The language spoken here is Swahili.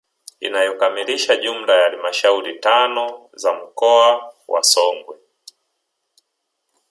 Inayokamilisha jumla ya halmashauri tano za mkoa wa Songwe